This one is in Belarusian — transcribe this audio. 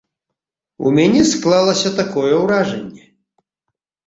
У мяне склалася такое ўражанне.